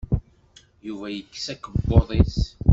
Yuba yekkes akebbuḍ-is.